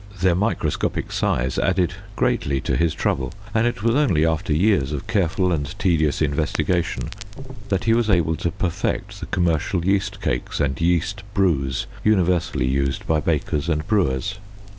Their microscopic size added greatly to his trouble, and it was only after years of careful and tedious investigation that he was able to perfect the commercial yeast cakes and yeast brews universally used by bakers and brewers.